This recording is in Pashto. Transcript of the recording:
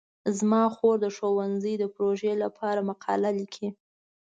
زما خور د ښوونځي د پروژې لپاره مقاله لیکي.